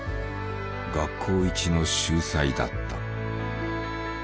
学校一の秀才だった。